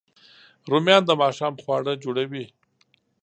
رومیان د ماښام خواړه جوړوي